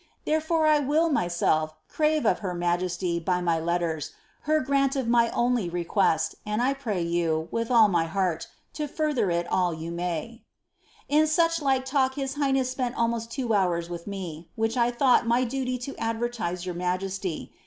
Tlierefore I will, myself, crave of her majesty, by my letters, her ronly request, and I pray you, with all my heart, to farther it all you 1 like talk his highness spent almost two hours with me, which I duty to advertise your majesty.